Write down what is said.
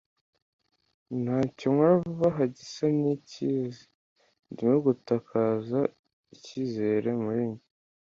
Ntacyo nkora vuba aha gisa nkicyiza. Ndimo gutakaza icyizere muri njye.